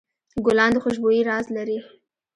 ګلان د خوشبویۍ راز لري.